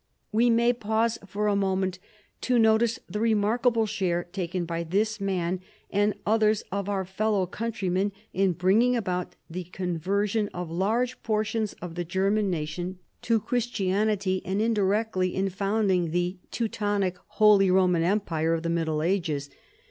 We may pause for a moment to notice the remark able share taken by this man and others of our fellow countrymen in bringing about the conversion of largo portions of the G(M'man nation to Christian 74 CHARLEMAGNE. ity, and indirectl}^ in founding the Teutonic " Holy Eoman Empire" of the Middle Ages.